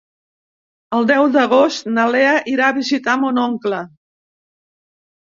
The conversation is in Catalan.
El deu d'agost na Lea irà a visitar mon oncle.